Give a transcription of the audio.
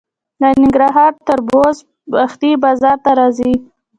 د ننګرهار تربوز وختي بازار ته راځي.